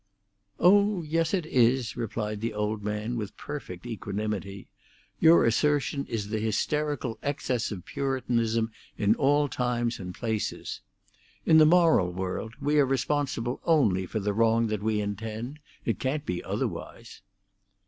"Oh yes, it is," replied the old man, with perfect equanimity. "Your assertion is the hysterical excess of Puritanism in all times and places. In the moral world we are responsible only for the wrong that we intend. It can't be otherwise."